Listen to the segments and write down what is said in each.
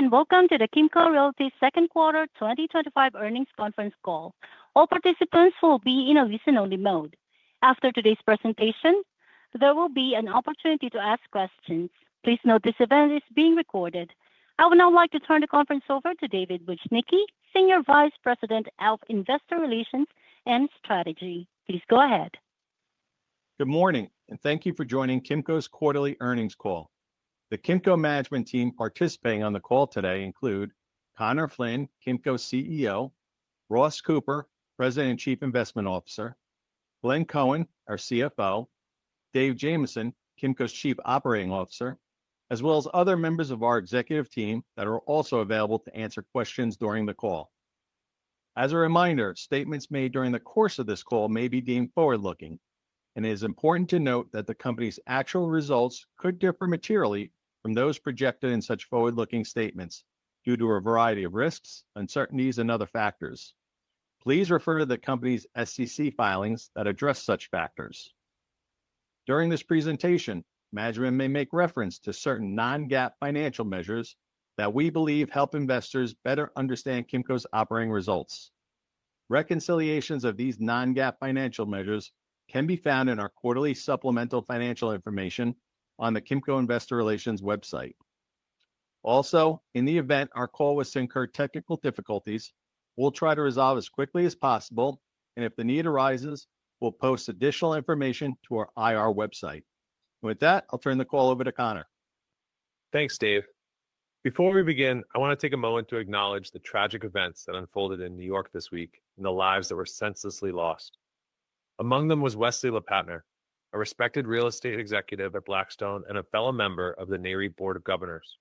Good day and welcome to the Kimco Realty Second Quarter 2025 Earnings Conference Call. All participants will be in a listen-only mode. After today's presentation, there will be an opportunity to ask questions. Please note this event is being recorded. I would now like to turn the conference over to David Bujnicki, Senior Vice President of Investor Relations and Strategy. Please go ahead. Good morning, and thank you for joining Kimco Realty's Quarterly Earnings call. The Kimco Realty management team participating on the call today include Conor Flynn, Kimco CEO, Ross Cooper, President and Chief Investment Officer, Glenn Cohen, our CFO, Dave Jamieson, Kimco's Chief Operating Officer, as well as other members of our executive team that are also available to answer questions during the call. As a reminder, statements made during the course of this call may be deemed forward-looking, and it is important to note that the company's actual results could differ materially from those projected in such forward-looking statements due to a variety of risks, uncertainties, and other factors. Please refer to the company's SEC filings that address such factors. During this presentation, management may make reference to certain non-GAAP financial measures that we believe help investors better understand Kimco's operating results. Reconciliations of these non-GAAP financial measures can be found in our Quarterly Supplemental Financial Information on the Kimco Investor Relations website. Also, in the event our call was to incur technical difficulties, we'll try to resolve as quickly as possible, and if the need arises, we'll post additional information to our IR website. With that, I'll turn the call over to Conor. Thanks, Dave. Before we begin, I want to take a moment to acknowledge the tragic events that unfolded in New York this week and the lives that were senselessly lost. Among them was Wesley LePatner, a respected real estate executive at Blackstone and a fellow member of the NARE Board of Governors.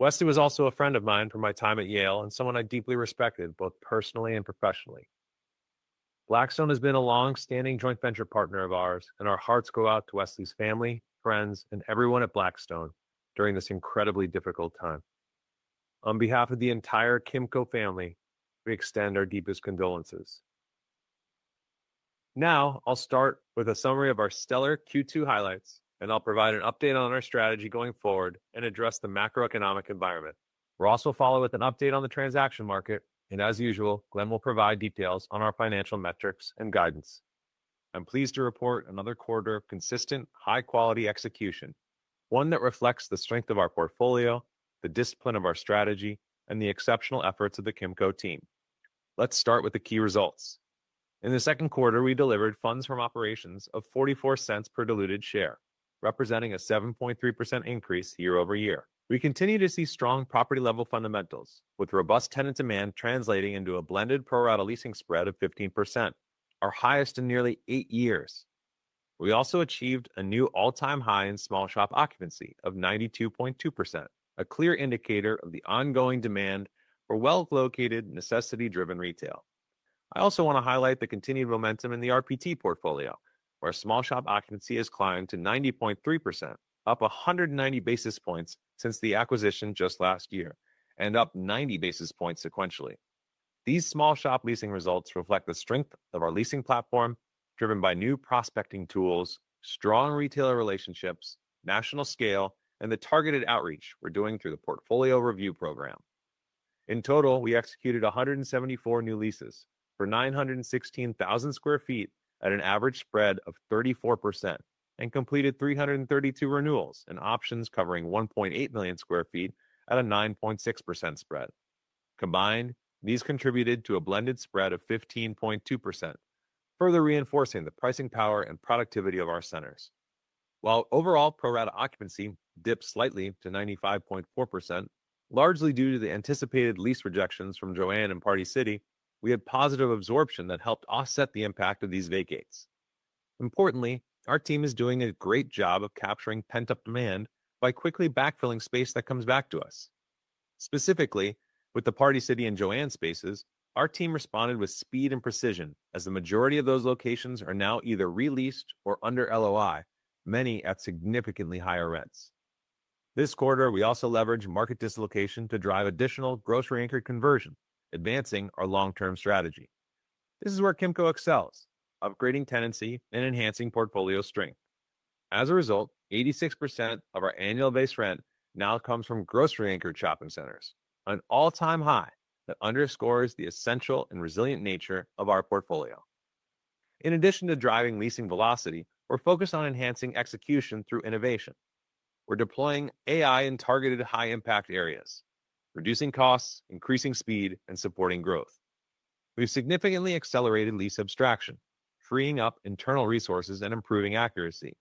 Wesley was also a friend of mine from my time at Yale and someone I deeply respected both personally and professionally. Blackstone has been a longstanding joint venture partner of ours, and our hearts go out to Wesley's family, friends, and everyone at Blackstone during this incredibly difficult time. On behalf of the entire Kimco family, we extend our deepest condolences. Now, I'll start with a summary of our stellar Q2 highlights, and I'll provide an update on our strategy going forward and address the macroeconomic environment. Ross will follow with an update on the transaction market, and as usual, Glenn will provide details on our financial metrics and guidance. I'm pleased to report another quarter of consistent, high-quality execution, one that reflects the strength of our portfolio, the discipline of our strategy, and the exceptional efforts of the Kimco team. Let's start with the key results. In the second quarter, we delivered funds from operations of $0.44 per diluted share, representing a 7.3% increase year over year. We continue to see strong property-level fundamentals, with robust tenant demand translating into a blended pro-rata leasing spread of 15%, our highest in nearly eight years. We also achieved a new all-time high in small-shop occupancy of 92.2%, a clear indicator of the ongoing demand for well-located, necessity-driven retail. I also want to highlight the continued momentum in the RPT portfolio, where small-shop occupancy has climbed to 90.3%, up 190 basis points since the acquisition just last year, and up 90 basis points sequentially. These small-shop leasing results reflect the strength of our leasing platform, driven by new prospecting tools, strong retailer relationships, national scale, and the targeted outreach we're doing through the portfolio review program. In total, we executed 174 new leases for 916,000 sq ft at an average spread of 34%, and completed 332 renewals and options covering 1.8 million sq ft at a 9.6% spread. Combined, these contributed to a blended spread of 15.2%, further reinforcing the pricing power and productivity of our centers. While overall pro-rata occupancy dipped slightly to 95.4%, largely due to the anticipated lease rejections from JOANN and Party City, we had positive absorption that helped offset the impact of these vacates. Importantly, our team is doing a great job of capturing pent-up demand by quickly backfilling space that comes back to us. Specifically, with the Party City and JOANN spaces, our team responded with speed and precision as the majority of those locations are now either re-leased or under LOI, many at significantly higher rents. This quarter, we also leveraged market dislocation to drive additional grocery-anchored conversion, advancing our long-term strategy. This is where Kimco excels, upgrading tenancy and enhancing portfolio strength. As a result, 86% of our annual base rent now comes from grocery-anchored shopping centers, an all-time high that underscores the essential and resilient nature of our portfolio. In addition to driving leasing velocity, we're focused on enhancing execution through innovation. We're deploying AI in targeted high-impact areas, reducing costs, increasing speed, and supporting growth. We've significantly accelerated lease abstraction, freeing up internal resources and improving accuracy.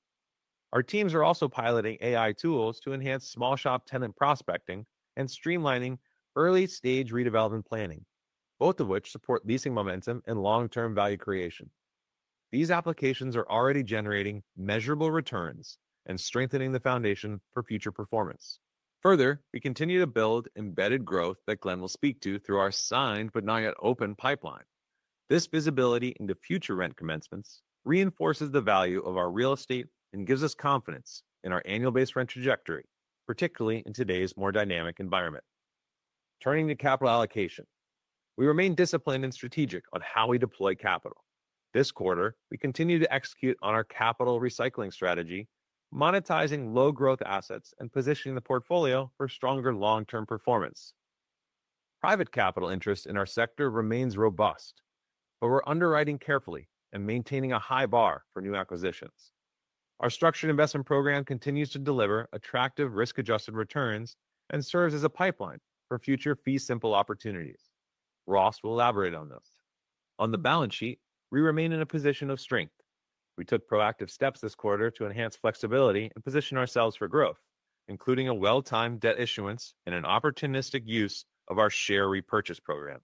Our teams are also piloting AI tools to enhance small-shop tenant prospecting and streamlining early-stage redevelopment planning, both of which support leasing momentum and long-term value creation. These applications are already generating measurable returns and strengthening the foundation for future performance. Further, we continue to build embedded growth that Glenn will speak to through our signed-but-not-yet-open pipeline. This visibility into future rent commencements reinforces the value of our real estate and gives us confidence in our annual base rent trajectory, particularly in today's more dynamic environment. Turning to capital allocation, we remain disciplined and strategic on how we deploy capital. This quarter, we continue to execute on our capital recycling strategy, monetizing low-growth assets and positioning the portfolio for stronger long-term performance. Private capital interest in our sector remains robust, but we're underwriting carefully and maintaining a high bar for new acquisitions. Our structured investment program continues to deliver attractive risk-adjusted returns and serves as a pipeline for future fee-simple opportunities. Ross will elaborate on this. On the balance sheet, we remain in a position of strength. We took proactive steps this quarter to enhance flexibility and position ourselves for growth, including a well-timed debt issuance and an opportunistic use of our share repurchase program.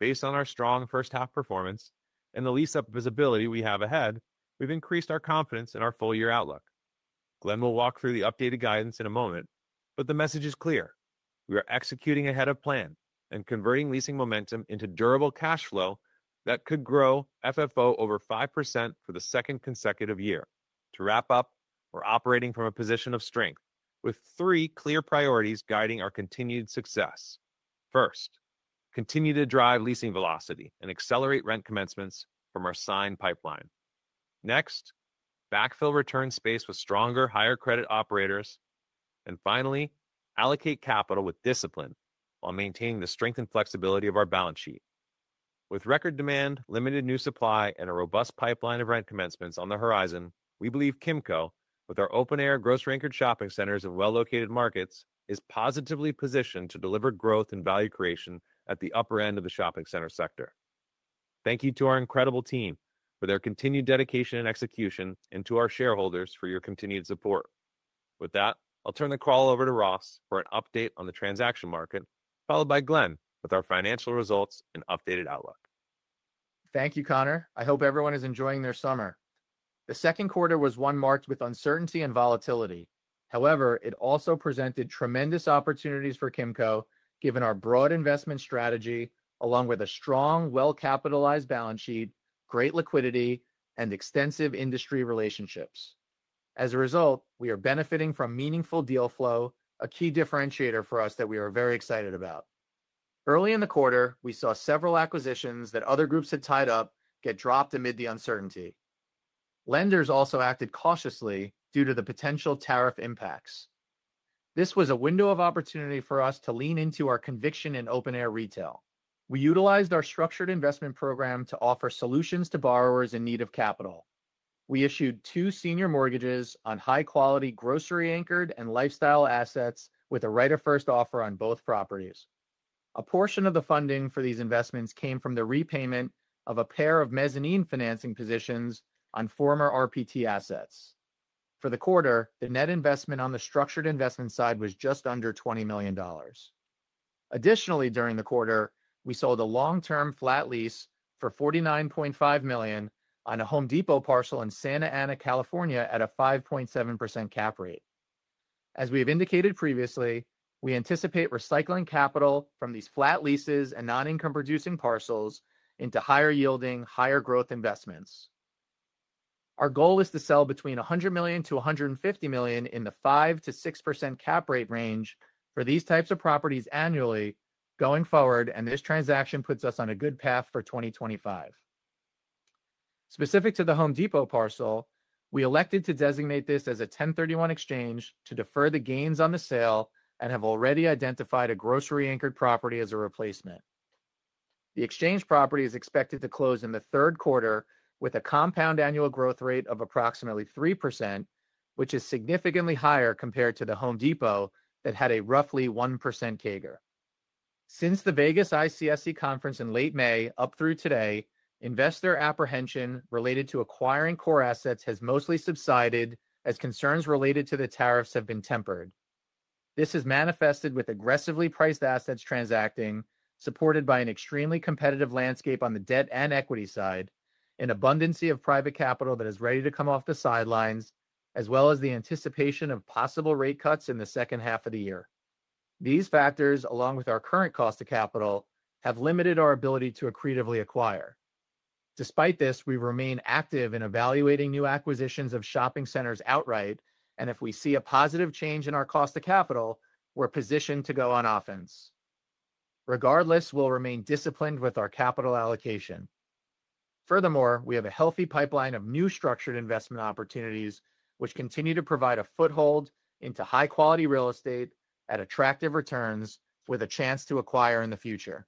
Based on our strong first-half performance and the lease-up visibility we have ahead, we've increased our confidence in our full-year outlook. Glenn will walk through the updated guidance in a moment, but the message is clear: we are executing ahead of plan and converting leasing momentum into durable cash flow that could grow FFO over 5% for the second consecutive year. To wrap up, we're operating from a position of strength, with three clear priorities guiding our continued success. First, continue to drive leasing velocity and accelerate rent commencements from our signed pipeline. Next, backfill return space with stronger, higher-credit operators. Finally, allocate capital with discipline while maintaining the strength and flexibility of our balance sheet. With record demand, limited new supply, and a robust pipeline of rent commencements on the horizon, we believe Kimco, with our open-air, grocery-anchored shopping centers and well-located markets, is positively positioned to deliver growth and value creation at the upper end of the shopping center sector. Thank you to our incredible team for their continued dedication and execution, and to our shareholders for your continued support. With that, I'll turn the call over to Ross for an update on the transaction market, followed by Glenn with our financial results and updated outlook. Thank you, Conor. I hope everyone is enjoying their summer. The second quarter was one marked with uncertainty and volatility. However, it also presented tremendous opportunities for Kimco, given our broad investment strategy, along with a strong, well-capitalized balance sheet, great liquidity, and extensive industry relationships. As a result, we are benefiting from meaningful deal flow, a key differentiator for us that we are very excited about. Early in the quarter, we saw several acquisitions that other groups had tied up get dropped amid the uncertainty. Lenders also acted cautiously due to the potential tariff impacts. This was a window of opportunity for us to lean into our conviction in open-air retail. We utilized our structured investment program to offer solutions to borrowers in need of capital. We issued two senior mortgages on high-quality grocery-anchored and lifestyle assets with a right-of-first offer on both properties. A portion of the funding for these investments came from the repayment of a pair of mezzanine financing positions on former RPT assets. For the quarter, the net investment on the structured investment side was just under $20 million. Additionally, during the quarter, we sold a long-term flat lease for $49.5 million on a Home Depot parcel in Santa Ana, California, at a 5.7% cap rate. As we have indicated previously, we anticipate recycling capital from these flat leases and non-income-producing parcels into higher-yielding, higher-growth investments. Our goal is to sell between $100 million-$150 million in the 5%-6% cap rate range for these types of properties annually going forward, and this transaction puts us on a good path for 2025. Specific to the Home Depot parcel, we elected to designate this as a 1031 exchange to defer the gains on the sale and have already identified a grocery-anchored property as a replacement. The exchange property is expected to close in the third quarter with a compound annual growth rate of approximately 3%, which is significantly higher compared to the Home Depot that had a roughly 1% CAGR. Since the Vegas ICSC Conference in late May up through today, investor apprehension related to acquiring core assets has mostly subsided as concerns related to the tariffs have been tempered. This is manifested with aggressively priced assets transacting, supported by an extremely competitive landscape on the debt and equity side, an abundancy of private capital that is ready to come off the sidelines, as well as the anticipation of possible rate cuts in the second half of the year. These factors, along with our current cost of capital, have limited our ability to accretively acquire. Despite this, we remain active in evaluating new acquisitions of shopping centers outright, and if we see a positive change in our cost of capital, we're positioned to go on offense. Regardless, we'll remain disciplined with our capital allocation. Furthermore, we have a healthy pipeline of new structured investment opportunities, which continue to provide a foothold into high-quality real estate at attractive returns with a chance to acquire in the future.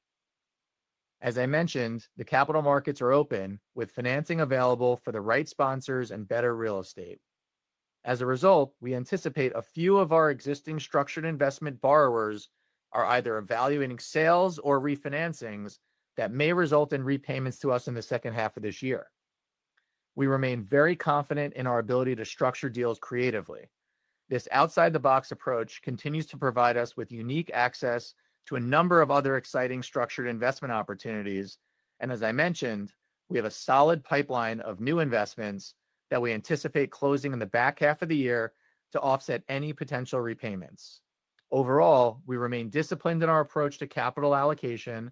As I mentioned, the capital markets are open, with financing available for the right sponsors and better real estate. As a result, we anticipate a few of our existing structured investment borrowers are either evaluating sales or refinancings that may result in repayments to us in the second half of this year. We remain very confident in our ability to structure deals creatively. This outside-the-box approach continues to provide us with unique access to a number of other exciting structured investment opportunities, and as I mentioned, we have a solid pipeline of new investments that we anticipate closing in the back half of the year to offset any potential repayments. Overall, we remain disciplined in our approach to capital allocation,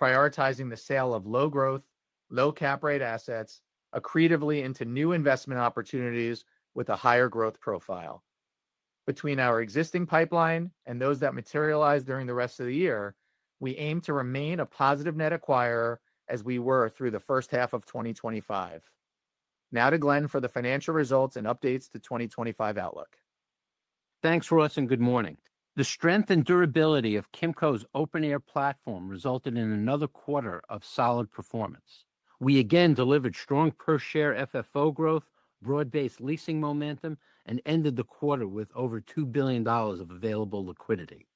prioritizing the sale of low-growth, low-cap rate assets accretively into new investment opportunities with a higher growth profile. Between our existing pipeline and those that materialize during the rest of the year, we aim to remain a positive net acquirer as we were through the first half of 2025. Now to Glenn for the financial results and updates to 2025 outlook. Thanks, Ross, and good morning. The strength and durability of Kimco Realty's open-air platform resulted in another quarter of solid performance. We again delivered strong per-share FFO growth, broad-based leasing momentum, and ended the quarter with over $2 billion of available liquidity.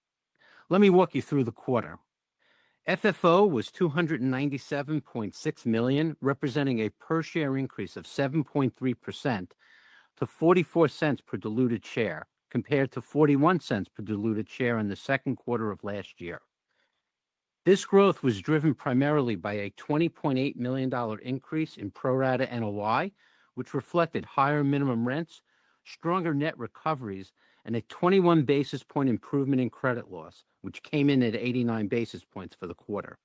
Let me walk you through the quarter. FFO was $297.6 million, representing a per-share increase of 7.3% to $0.44 per diluted share, compared to $0.41 per diluted share in the second quarter of last year. This growth was driven primarily by a $20.8 million increase in pro-rata NOI, which reflected higher minimum rents, stronger net recoveries, and a 21 basis point improvement in credit loss, which came in at 89 basis points for the quarter.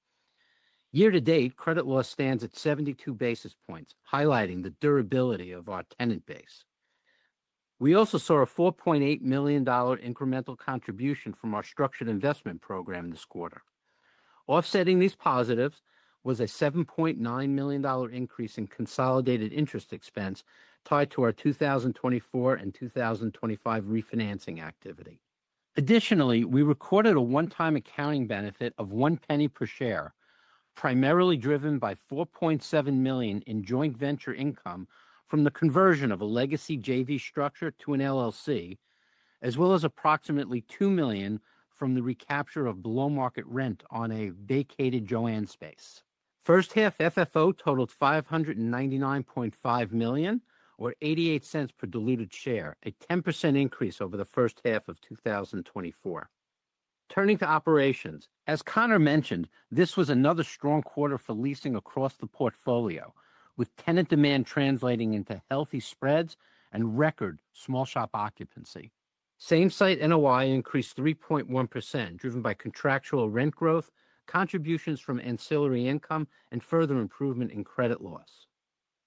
Year-to-date, credit loss stands at 72 basis points, highlighting the durability of our tenant base. We also saw a $4.8 million incremental contribution from our structured investment program this quarter. Offsetting these positives was a $7.9 million increase in consolidated interest expense tied to our 2024 and 2025 refinancing activity. Additionally, we recorded a one-time accounting benefit of one penny per share, primarily driven by $4.7 million in joint venture income from the conversion of a legacy JV structure to an LLC, as well as approximately $2 million from the recapture of below-market rent on a vacated JOANN space. First-half FFO totaled $599.5 million, or $0.88 per diluted share, a 10% increase over the first half of 2024. Turning to operations, as Conor mentioned, this was another strong quarter for leasing across the portfolio, with tenant demand translating into healthy spreads and record small-shop occupancy. Same-site NOI increased 3.1%, driven by contractual rent growth, contributions from ancillary income, and further improvement in credit loss.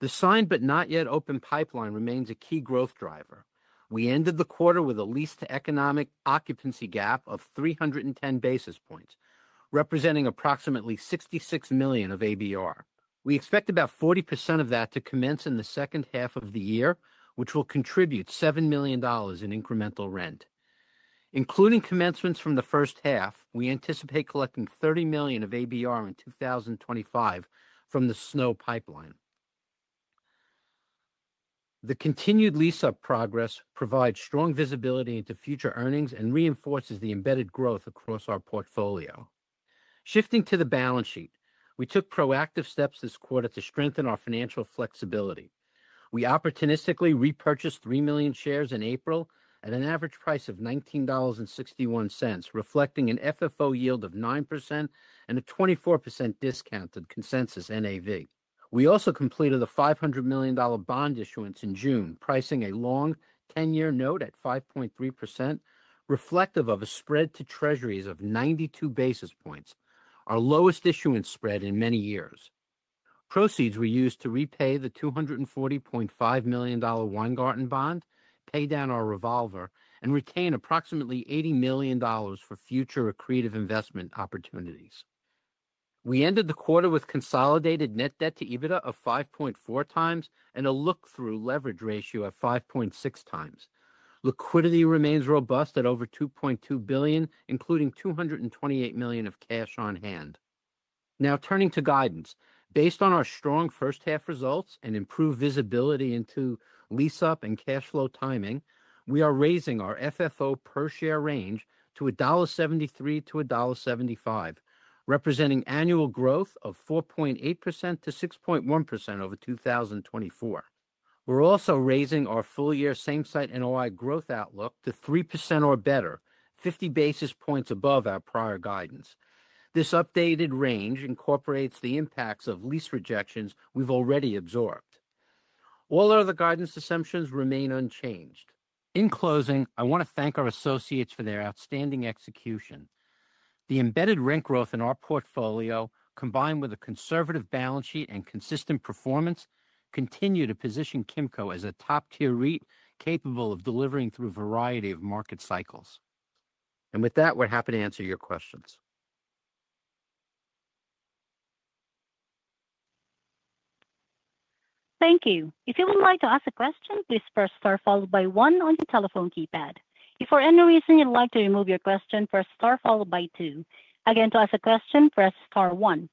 The signed-but-not-yet-open pipeline remains a key growth driver. We ended the quarter with a leased economic occupancy gap of 310 basis points, representing approximately $66 million of ABR. We expect about 40% of that to commence in the second half of the year, which will contribute $7 million in incremental rent. Including commencements from the first half, we anticipate collecting $30 million of ABR in 2025 from the SNO pipeline. The continued lease-up progress provides strong visibility into future earnings and reinforces the embedded growth across our portfolio. Shifting to the balance sheet, we took proactive steps this quarter to strengthen our financial flexibility. We opportunistically repurchased 3 million shares in April at an average price of $19.61, reflecting an FFO yield of 9% and a 24% discounted consensus NAV. We also completed a $500 million bond issuance in June, pricing a long 10-year note at 5.3%, reflective of a spread to treasuries of 92 basis points, our lowest issuance spread in many years. Proceeds were used to repay the $240.5 million Weingarten bond, pay down our revolver, and retain approximately $80 million for future accretive investment opportunities. We ended the quarter with consolidated net debt to EBITDA of 5.4x and a look-through leverage ratio of 5.6x. Liquidity remains robust at over $2.2 billion, including $228 million of cash on hand. Now turning to guidance, based on our strong first-half results and improved visibility into lease-up and cash flow timing, we are raising our FFO per-share range to $1.73-$1.75, representing annual growth of 4.8%-6.1% over 2024. We're also raising our full-year same-site NOI growth outlook to 3% or better, 50 basis points above our prior guidance. This updated range incorporates the impacts of lease rejections we've already absorbed. All other guidance assumptions remain unchanged. In closing, I want to thank our associates for their outstanding execution. The embedded rent growth in our portfolio, combined with a conservative balance sheet and consistent performance, continue to position Kimco as a top-tier REIT capable of delivering through a variety of market cycles. With that, we're happy to answer your questions. Thank you. If you would like to ask a question, please press star followed by one on the telephone keypad. If for any reason you'd like to remove your question, press star followed by two. Again, to ask a question, press star one.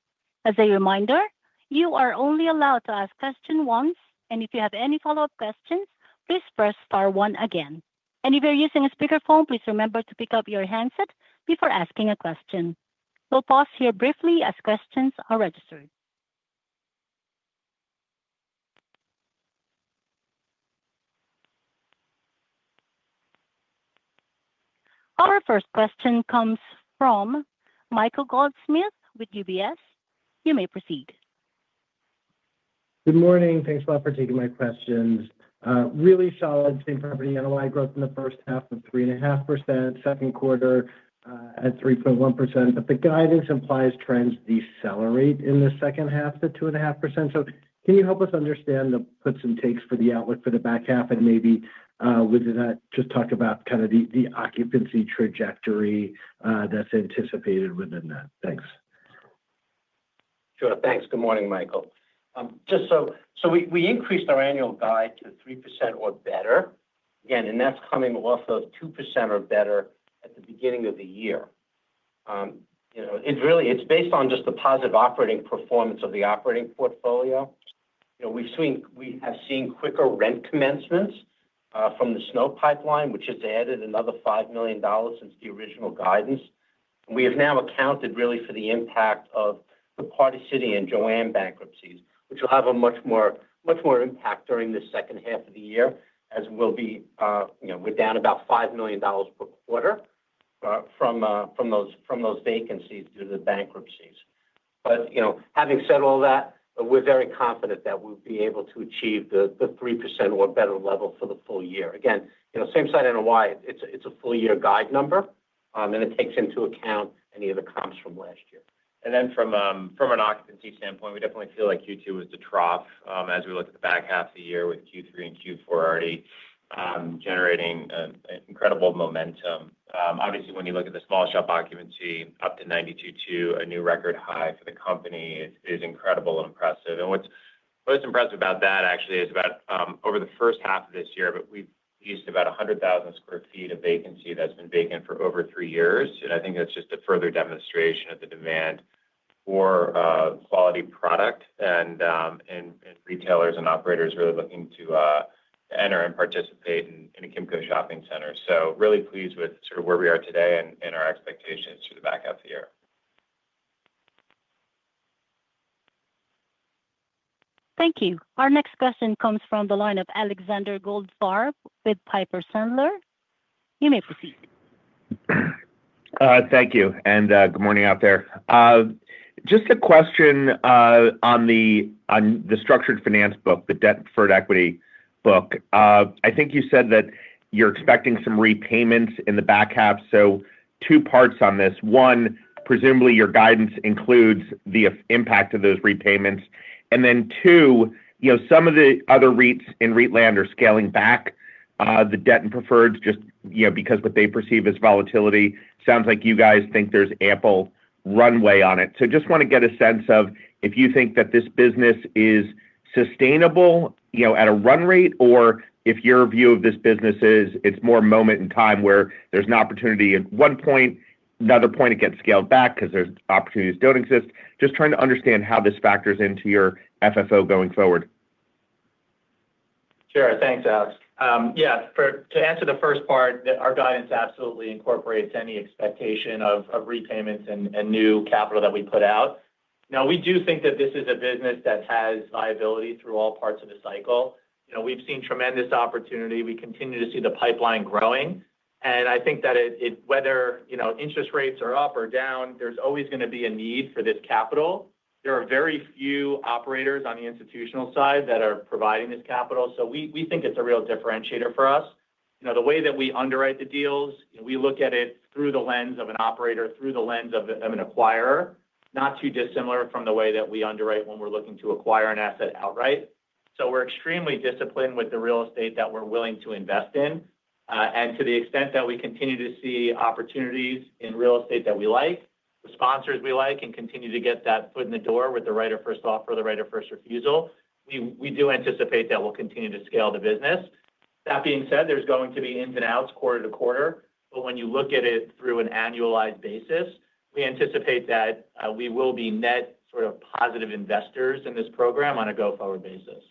As a reminder, you are only allowed to ask questions once, and if you have any follow-up questions, please press star one again. If you're using a speakerphone, please remember to pick up your handset before asking a question. We'll pause here briefly as questions are registered. Our first question comes from Michael Goldsmith with UBS. You may proceed. Good morning. Thanks a lot for taking my questions. Really solid same property NOI growth in the first half of 3.5%, second quarter at 3.1%, but the guidance implies trends decelerate in the second half to 2.5%. Can you help us understand the puts and takes for the outlook for the back half and maybe within that, just talk about kind of the occupancy trajectory that's anticipated within that? Thanks. Sure. Thanks. Good morning, Michael. Just so we increased our annual guide to 3% or better. Again, and that's coming off of 2% or better at the beginning of the year. It's really, it's based on just the positive operating performance of the operating portfolio. We have seen quicker rent commencements from the snow pipeline, which has added another $5 million since the original guidance. We have now accounted really for the impact of the Party City and JOANN bankruptcies, which will have a much more, much more impact during the second half of the year, as we're down about $5 million per quarter from those vacancies due to the bankruptcies. Having said all that, we're very confident that we'll be able to achieve the 3% or better level for the full year. Again, same-site NOI, it's a full-year guide number, and it takes into account any of the comps from last year. From an occupancy standpoint, we definitely feel like Q2 was the trough as we looked at the back half of the year with Q3 and Q4 already generating incredible momentum. Obviously, when you look at the small-shop occupancy, up to 92.2%, a new record high for the company, is incredible and impressive. What's impressive about that actually is over the first half of this year, we've used about 100,000 sq ft of vacancy that's been vacant for over three years. I think that's just a further demonstration of the demand for quality product and retailers and operators really looking to enter and participate in a Kimco shopping center. Really pleased with sort of where we are today and our expectations for the back half of the year. Thank you. Our next question comes from the line of Alexander Goldfarb with Piper Sandler. You may proceed. Thank you. Good morning out there. Just a question on the structured finance book, the debt for equity book. I think you said that you're expecting some repayments in the back half. Two parts on this. One, presumably your guidance includes the impact of those repayments. Two, some of the other REITs in REIT land are scaling back the debt and preferreds just because what they perceive as volatility. It sounds like you guys think there's ample runway on it. I just want to get a sense of if you think that this business is sustainable at a run rate or if your view of this business is it's more moment in time where there's an opportunity at one point, another point it gets scaled back because there are opportunities that don't exist. I'm just trying to understand how this factors into your FFO going forward. Sure. Thanks, Alex. To answer the first part, our guidance absolutely incorporates any expectation of repayments and new capital that we put out. We do think that this is a business that has viability through all parts of the cycle. We've seen tremendous opportunity. We continue to see the pipeline growing. I think that whether interest rates are up or down, there's always going to be a need for this capital. There are very few operators on the institutional side that are providing this capital. We think it's a real differentiator for us. The way that we underwrite the deals, we look at it through the lens of an operator, through the lens of an acquirer, not too dissimilar from the way that we underwrite when we're looking to acquire an asset outright. We're extremely disciplined with the real estate that we're willing to invest in. To the extent that we continue to see opportunities in real estate that we like, the sponsors we like, and continue to get that foot in the door with the right of first offer or the right of first refusal, we do anticipate that we'll continue to scale the business. That being said, there are going to be ins and outs quarter to quarter. When you look at it through an annualized basis, we anticipate that we will be net sort of positive investors in this program on a go-forward basis.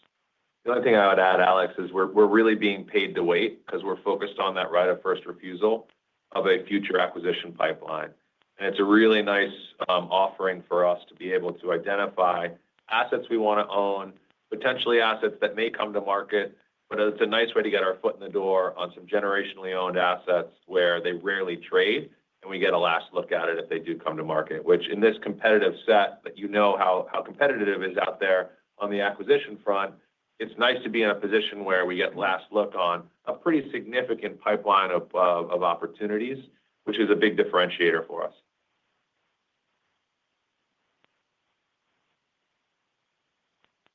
The only thing I would add, Alex, is we're really being paid to wait because we're focused on that right of first refusal of a future acquisition pipeline. It is a really nice offering for us to be able to identify assets we want to own, potentially assets that may come to market. It is a nice way to get our foot in the door on some generationally owned assets where they rarely trade, and we get a last look at it if they do come to market, which in this competitive set, you know how competitive it is out there on the acquisition front. It is nice to be in a position where we get last look on a pretty significant pipeline of opportunities, which is a big differentiator for us.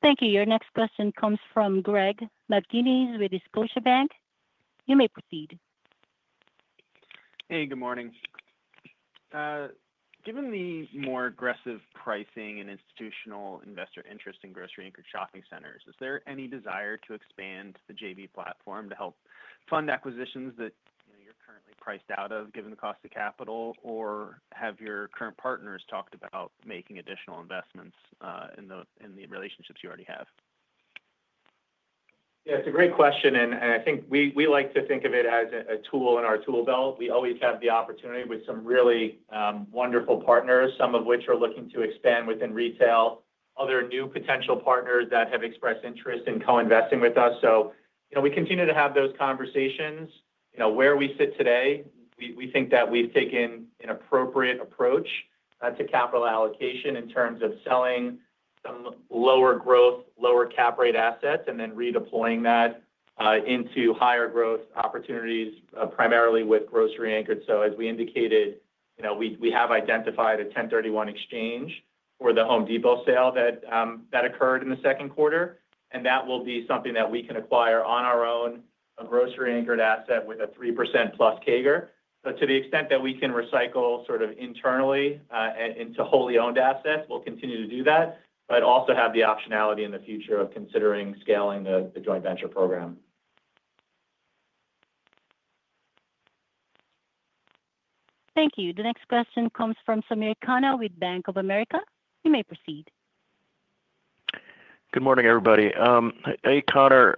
Thank you. Your next question comes from Greg McGinnis with Scotiabank. You may proceed. Hey, good morning. Given the more aggressive pricing and institutional investor interest in grocery-anchored shopping centers, is there any desire to expand the JV platform to help fund acquisitions that you're currently priced out of given the cost of capital, or have your current partners talked about making additional investments in the relationships you already have? Yeah, it's a great question. I think we like to think of it as a tool in our tool belt. We always have the opportunity with some really wonderful partners, some of which are looking to expand within retail, other new potential partners that have expressed interest in co-investing with us. We continue to have those conversations. Where we sit today, we think that we've taken an appropriate approach to capital allocation in terms of selling some lower growth, lower cap rate assets, and then redeploying that into higher growth opportunities, primarily with grocery-anchored. As we indicated, we have identified a 1031 exchange for the Home Depot sale that occurred in the second quarter. That will be something that we can acquire on our own, a grocery-anchored asset with a 3% plus CAGR. To the extent that we can recycle sort of internally into wholly owned assets, we'll continue to do that, but also have the optionality in the future of considering scaling the joint venture program. Thank you. The next question comes from Samir Conner with Bank of America. You may proceed. Good morning, everybody. Hey, Conor.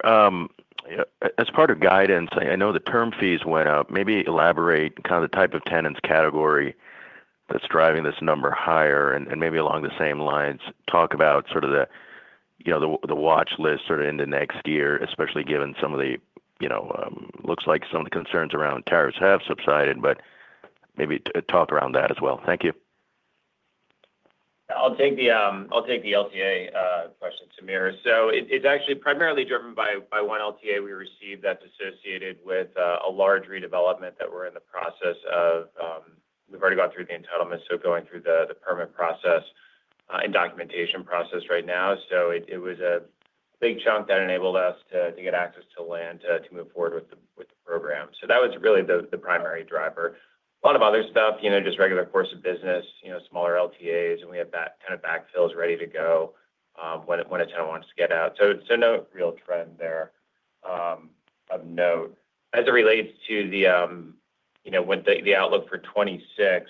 As part of guidance, I know the term fees went up. Maybe elaborate kind of the type of tenants category that's driving this number higher, and maybe along the same lines, talk about sort of the watch list sort of into next year, especially given some of the looks like some of the concerns around tariffs have subsided, but maybe talk around that as well. Thank you. I'll take the LTA question, Samir. It's actually primarily driven by one LTA we received that's associated with a large redevelopment that we're in the process of. We've already gone through the entitlement, going through the permit process and documentation process right now. It was a big chunk that enabled us to get access to land to move forward with the program. That was really the primary driver. A lot of other stuff is just regular course of business, smaller LTAs, and we have that kind of backfills ready to go when a tenant wants to get out. No real trend there of note as it relates to the outlook for 2026.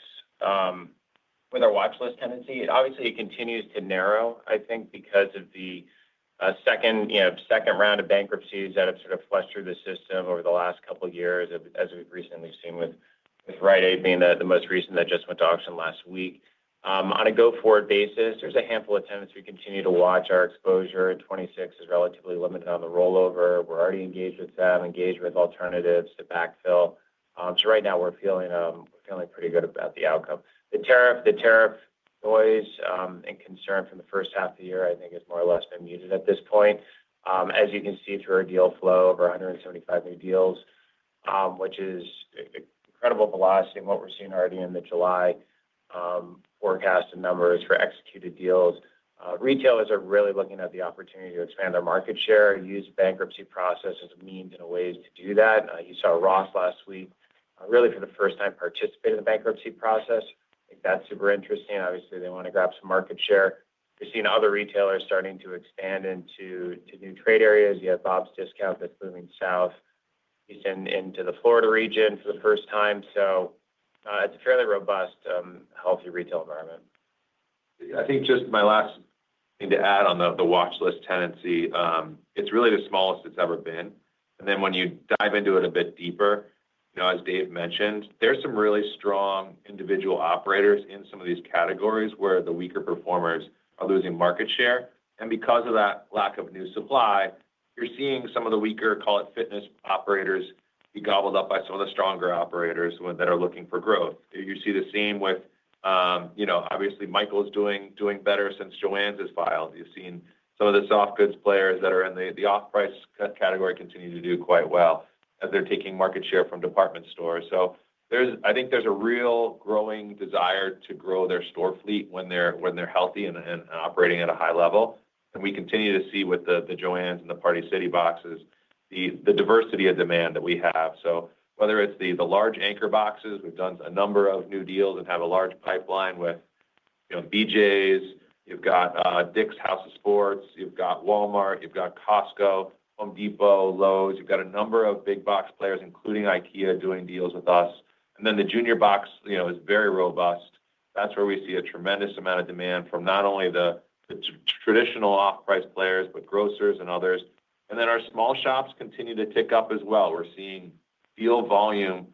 With our watch list tenancy, obviously it continues to narrow, I think, because of the second round of bankruptcies that have sort of flushed through the system over the last couple of years, as we've recently seen with Rite Aid being the most recent that just went to auction last week. On a go-forward basis, there's a handful of tenants we continue to watch. Our exposure in 2026 is relatively limited on the rollover. We're already engaged with them, engaged with alternatives to backfill. Right now, we're feeling pretty good about the outcome. The tariff noise and concern from the first half of the year, I think, has more or less been muted at this point. As you can see through our deal flow, over 175 new deals, which is incredible velocity in what we're seeing already in the July forecast and numbers for executed deals. Retailers are really looking at the opportunity to expand their market share, use bankruptcy process as a means and a way to do that. You saw Ross last week really for the first time participate in the bankruptcy process. I think that's super interesting. Obviously, they want to grab some market share. We're seeing other retailers starting to expand into new trade areas. You have Bob's Discount that's moving southeastern into the Florida region for the first time. It's a fairly robust, healthy retail environment. I think just my last thing to add on the watch list tenancy, it's really the smallest it's ever been. When you dive into it a bit deeper, as Dave mentioned, there's some really strong individual operators in some of these categories where the weaker performers are losing market share. Because of that lack of new supply, you're seeing some of the weaker, call it fitness operators, be gobbled up by some of the stronger operators that are looking for growth. You see the same with. Obviously, Michael's doing better since JOANN has filed. You've seen some of the soft goods players that are in the off-price category continue to do quite well as they're taking market share from department stores. I think there's a real growing desire to grow their store fleet when they're healthy and operating at a high level. We continue to see with the JOANN and the Party City boxes the diversity of demand that we have. Whether it's the large anchor boxes, we've done a number of new deals and have a large pipeline with BJ's. You've got Dick's House of Sports, you've got Walmart, you've got Costco, Home Depot, Lowe's. You've got a number of big box players, including IKEA, doing deals with us. The junior box is very robust. That's where we see a tremendous amount of demand from not only the traditional off-price players, but grocers and others. Our small shops continue to tick up as well. We're seeing deal volume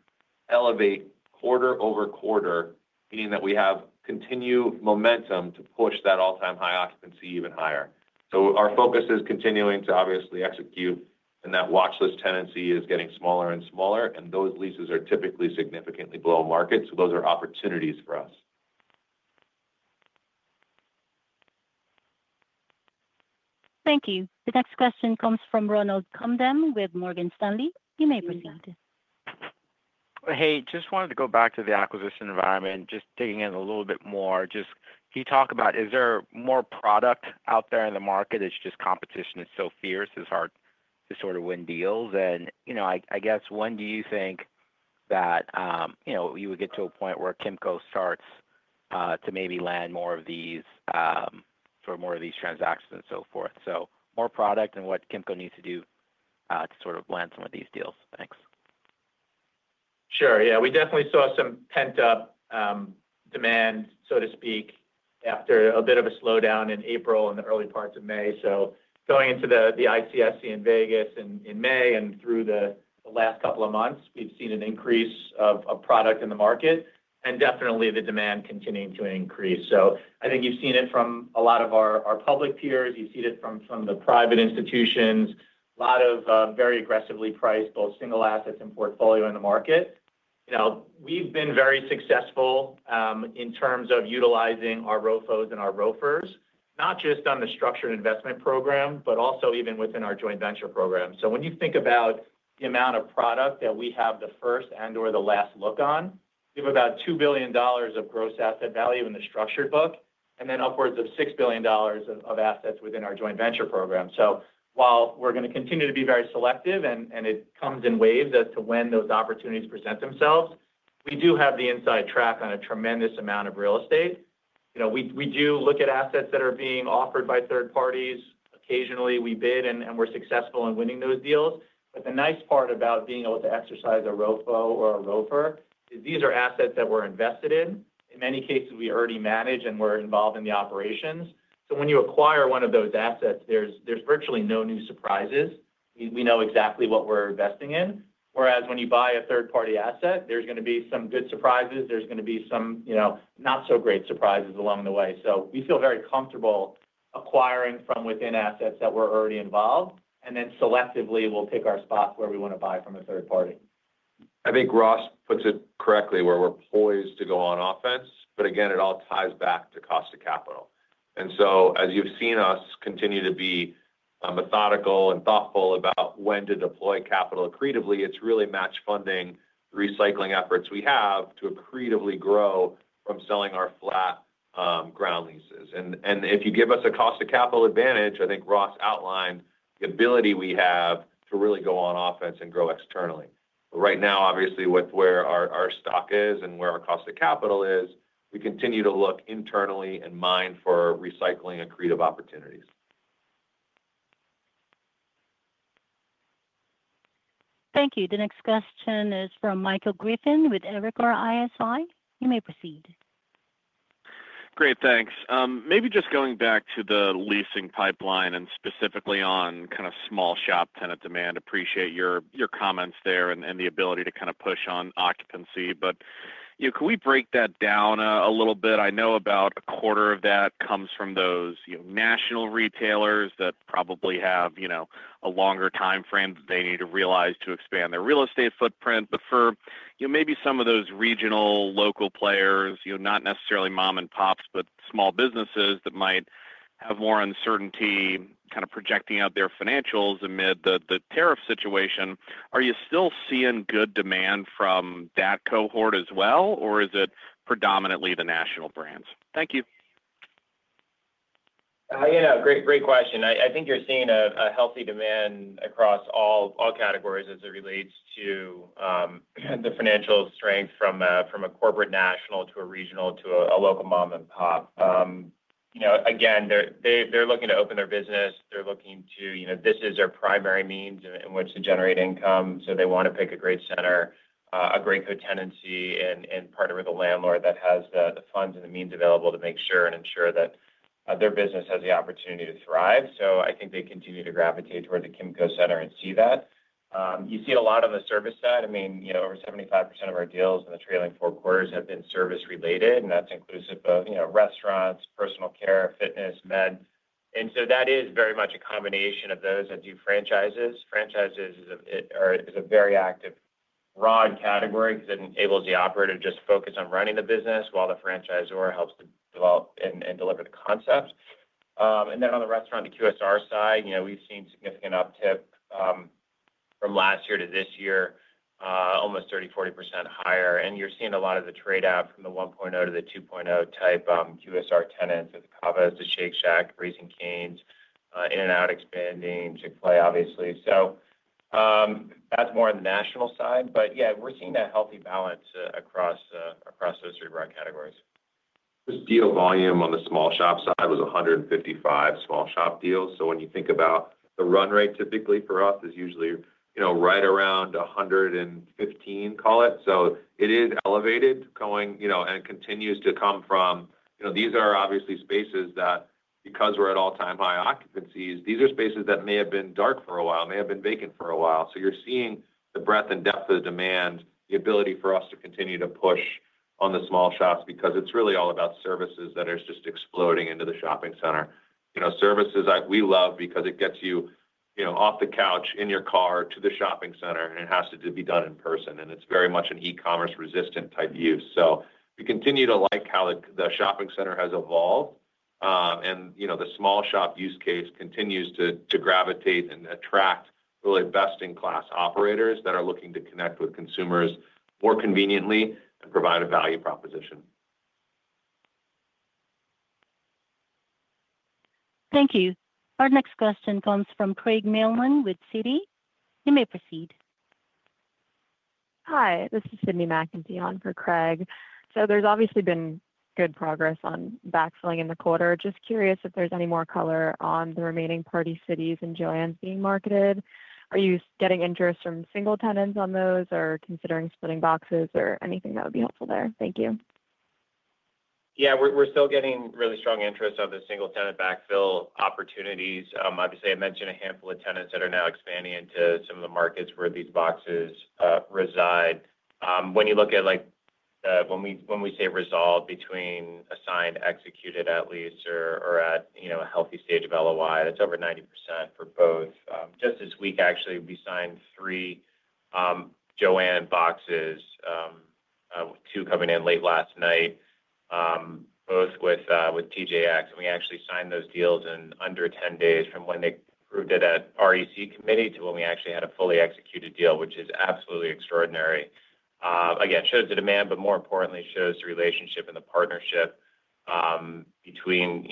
elevate quarter over quarter, meaning that we have continued momentum to push that all-time high occupancy even higher. Our focus is continuing to obviously execute, and that watch list tenancy is getting smaller and smaller, and those leases are typically significantly below market. Those are opportunities for us. Thank you. The next question comes from Ronald Kamdem with Morgan Stanley. You may proceed. Hey, just wanted to go back to the acquisition environment, just digging in a little bit more. Can you talk about, is there more product out there in the market? Competition is so fierce, it's hard to sort of win deals. I guess, when do you think that you would get to a point where Kimco Realty starts to maybe land more of these, for more of these transactions and so forth? More product and what Kimco needs to do to sort of land some of these deals. Thanks. Sure. Yeah. We definitely saw some pent-up demand, so to speak, after a bit of a slowdown in April and the early parts of May. Going into the ICSC in Vegas in May and through the last couple of months, we've seen an increase of product in the market and definitely the demand continuing to increase. I think you've seen it from a lot of our public peers. You've seen it from the private institutions, a lot of very aggressively priced both single assets and portfolio in the market. We've been very successful in terms of utilizing our ROFOs and our ROFERs, not just on the structured investment program, but also even within our joint venture program. When you think about the amount of product that we have the first and/or the last look on, we have about $2 billion of gross asset value in the structured book and then upwards of $6 billion of assets within our joint venture program. While we're going to continue to be very selective and it comes in waves as to when those opportunities present themselves, we do have the inside track on a tremendous amount of real estate. We do look at assets that are being offered by third parties. Occasionally, we bid and we're successful in winning those deals. The nice part about being able to exercise a ROFO or a ROFER is these are assets that we're invested in. In many cases, we already manage and we're involved in the operations. When you acquire one of those assets, there's virtually no new surprises. We know exactly what we're investing in. Whereas when you buy a third-party asset, there's going to be some good surprises. There's going to be some not-so-great surprises along the way. We feel very comfortable acquiring from within assets that we're already involved. Then selectively, we'll pick our spots where we want to buy from a third party. I think Ross puts it correctly where we're poised to go on offense. It all ties back to cost of capital. As you've seen us continue to be methodical and thoughtful about when to deploy capital accretively, it's really matched funding the recycling efforts we have to accretively grow from selling our flat ground leases. If you give us a cost of capital advantage, I think Ross outlined the ability we have to really go on offense and grow externally. Right now, obviously, with where our stock is and where our cost of capital is, we continue to look internally and mind for recycling accretive opportunities. Thank you. The next question is from Michael Griffin with Evercore ISI. You may proceed. Great. Thanks. Maybe just going back to the leasing pipeline and specifically on kind of small shop tenant demand, appreciate your comments there and the ability to kind of push on occupancy. Can we break that down a little bit? I know about a quarter of that comes from those national retailers that probably have a longer time frame that they need to realize to expand their real estate footprint. For maybe some of those regional local players, not necessarily mom-and-pops, but small businesses that might have more uncertainty kind of projecting out their financials amid the tariff situation, are you still seeing good demand from that cohort as well, or is it predominantly the national brands? Thank you. Yeah, no, great question. I think you're seeing a healthy demand across all categories as it relates to the financial strength from a corporate national to a regional to a local mom-and-pop. Again, they're looking to open their business. They're looking to, this is their primary means in which to generate income. They want to pick a great center, a great good tenancy, and partner with a landlord that has the funds and the means available to make sure and ensure that their business has the opportunity to thrive. I think they continue to gravitate toward the Kimco Center and see that. You see a lot on the service side. Over 75% of our deals in the trailing four quarters have been service-related, and that's inclusive of restaurants, personal care, fitness, med. That is very much a combination of those that do franchises. Franchises is a very active broad category because it enables the operator to just focus on running the business while the franchisor helps to develop and deliver the concept. On the restaurant, the QSR side, we've seen significant uptick. From last year to this year, almost 30%-40% higher. You're seeing a lot of the trade-out from the 1.0-2.0 type QSR tenants with Cava to Shake Shack, Raising Cane's, In-N-Out expanding, Chick-fil-A, obviously. That's more on the national side. We're seeing that healthy balance across those three broad categories. This deal volume on the small shop side was 155 small shop deals. When you think about the run rate, typically for us it is usually right around 115, call it. It is elevated and continues to come from. These are obviously spaces that, because we're at all-time high occupancies, may have been dark for a while, may have been vacant for a while. You're seeing the breadth and depth of the demand, the ability for us to continue to push on the small shops because it's really all about services that are just exploding into the shopping center. Services we love because it gets you off the couch in your car to the shopping center, and it has to be done in person. It is very much an e-commerce resistant type use. We continue to like how the shopping center has evolved, and the small shop use case continues to gravitate and attract really best-in-class operators that are looking to connect with consumers more conveniently and provide a value proposition. Thank you. Our next question comes from Craig Mielmann with Citi. You may proceed. Hi, this is Cindy McKenzie on for Craig. There's obviously been good progress on backfilling in the quarter. Just curious if there's any more color on the remaining Party City and JOANN's being marketed. Are you getting interest from single tenants on those or considering splitting boxes or anything that would be helpful there? Thank you. Yeah, we're still getting really strong interest on the single tenant backfill opportunities. Obviously, I mentioned a handful of tenants that are now expanding into some of the markets where these boxes reside. When we say resolved between assigned, executed at lease, or at a healthy stage of LOI, that's over 90% for both. Just this week, actually, we signed three JOANN boxes, two coming in late last night, both with TJX. We actually signed those deals in under 10 days from when they approved it at REC committee to when we actually had a fully executed deal, which is absolutely extraordinary. It shows the demand, but more importantly, shows the relationship and the partnership between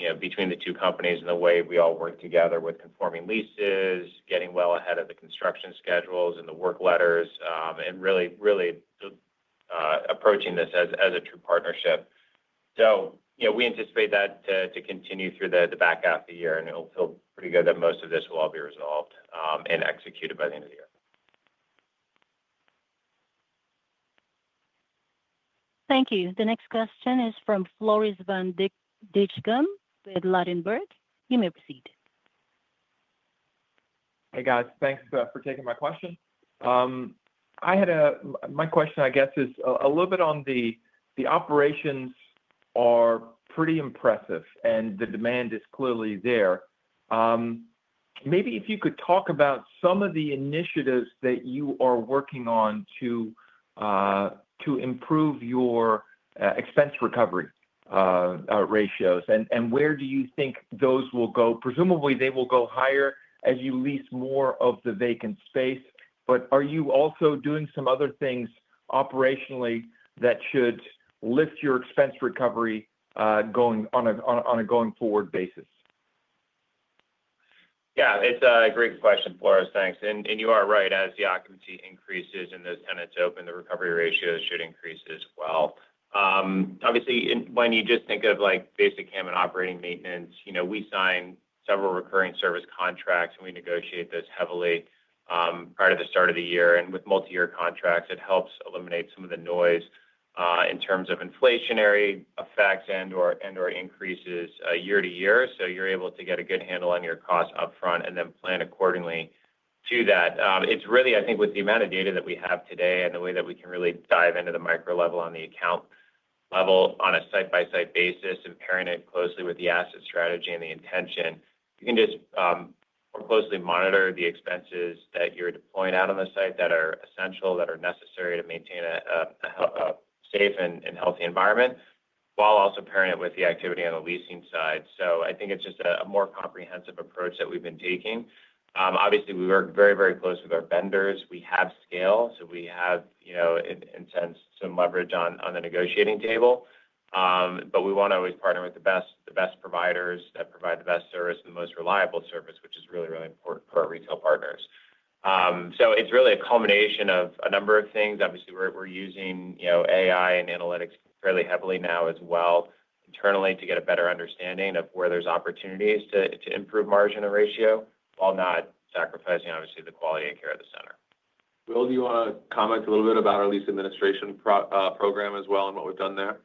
the two companies and the way we all work together with conforming leases, getting well ahead of the construction schedules and the work letters, and really approaching this as a true partnership. We anticipate that to continue through the back half of the year, and it'll feel pretty good that most of this will all be resolved and executed by the end of the year. Thank you. The next question is from Floris van Dijkum with Ladenburg. You may proceed. Hey, guys. Thanks for taking my question. My question, I guess, is a little bit on the operations. They are pretty impressive, and the demand is clearly there. Maybe if you could talk about some of the initiatives that you are working on to improve your expense recovery ratios, and where do you think those will go? Presumably, they will go higher as you lease more of the vacant space. Are you also doing some other things operationally that should lift your expense recovery on a going-forward basis? Yeah, it's a great question, Floris. Thanks. You are right. As the occupancy increases and those tenants open, the recovery ratios should increase as well. Obviously, when you just think of basic CAM and operating maintenance, we sign several recurring service contracts, and we negotiate this heavily prior to the start of the year. With multi-year contracts, it helps eliminate some of the noise in terms of inflationary effects and/or increases year to year. You're able to get a good handle on your cost upfront and then plan accordingly to that. It's really, I think, with the amount of data that we have today and the way that we can really dive into the micro level on the account level on a site-by-site basis and pairing it closely with the asset strategy and the intention, you can just more closely monitor the expenses that you're deploying out on the site that are essential, that are necessary to maintain a safe and healthy environment, while also pairing it with the activity on the leasing side. I think it's just a more comprehensive approach that we've been taking. Obviously, we work very, very close with our vendors. We have scale, so we have some leverage on the negotiating table. We want to always partner with the best providers that provide the best service, the most reliable service, which is really, really important for our retail partners. It's really a culmination of a number of things. Obviously, we're using AI and analytics fairly heavily now as well internally to get a better understanding of where there's opportunities to improve margin and ratio while not sacrificing, obviously, the quality and care of the center. Will, do you want to comment a little bit about our lease administration program as well and what we've done there?